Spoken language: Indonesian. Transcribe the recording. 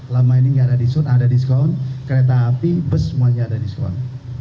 lama ini nggak ada disun ada diskon kereta api bus semuanya ada diskon